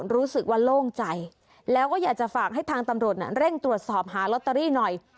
เร่งตรวจสอบหารอตตรีหน่อย